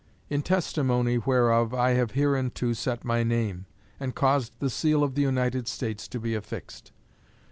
In testimony whereof, I have hereunto set my name, and caused the seal of the United States to be affixed.